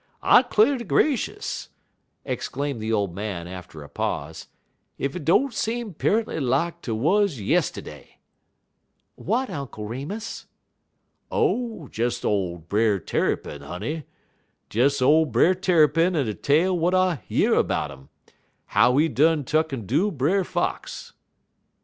I 'clar' ter gracious," exclaimed the old man after a pause, "ef hit don't seem periently lak 't wuz yistiddy!" "What, Uncle Remus?" "Oh, des ole Brer Tarrypin, honey; des ole Brer Tarrypin en a tale w'at I year 'bout 'im, how he done tuck'n do Brer Fox."